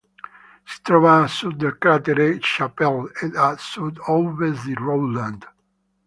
Si trova a sud del cratere Chappell ed a sud-ovest di Rowland.